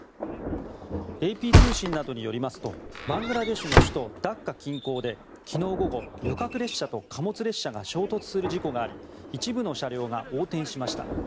ＡＰ通信などによりますとバングラデシュの首都ダッカ近郊で昨日午後、旅客列車と貨物列車が衝突する事故があり一部の車両が横転しました。